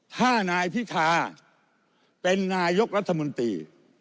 ถ้านายพิธาเป็นนายกรัฐมนตรี